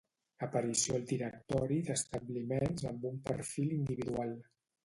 Aparició al directori d'establiments amb un perfil individual